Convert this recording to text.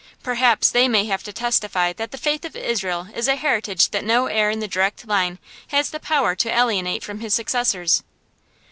Perhaps they may have to testify that the faith of Israel is a heritage that no heir in the direct line has the power to alienate from his successors.